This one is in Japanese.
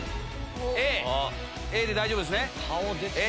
Ａで大丈夫ですね？